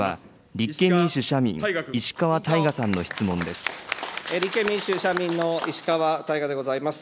立憲民主・社民の石川大我でございます。